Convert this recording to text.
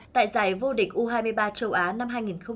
tại giải vô địch u hai mươi ba châu á năm hai nghìn một mươi bảy